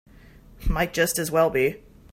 Might just as well be.